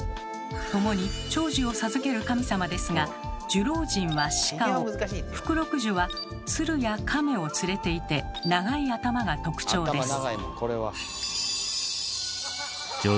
共に長寿を授ける神様ですが寿老人は鹿を福禄寿は鶴や亀を連れていて長い頭が特徴です。